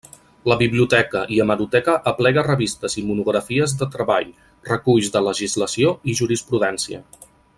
La biblioteca i hemeroteca aplega revistes i monografies de treball, reculls de legislació i jurisprudència.